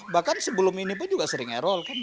bahkan sebelum ini pun juga sering error kan